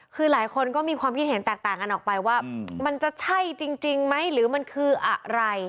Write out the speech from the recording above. คือหลายคนก็มีความคิดเห็นแตกต่างกันออกไปว่ามันจะใช่จริงไหมหรือมันคืออะไร